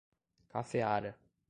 Cafeara